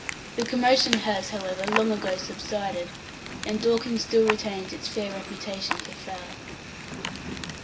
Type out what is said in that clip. The commotion has, however, long ago subsided, and Dorking still retains its fair reputation for fowl.